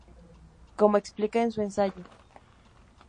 Como explica en su ensayo.